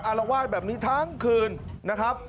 อารวาสแบบนี้ทั้งคืนนะครับ